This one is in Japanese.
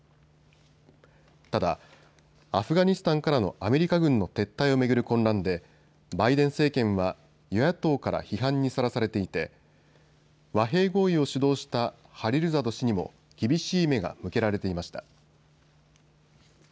ただ、アフガニスタンからのアメリカ軍の撤退を巡る混乱でバイデン政権は与野党から批判にさらされていて和平合意を主導したハリルザド氏にも厳しい目が向けられていました。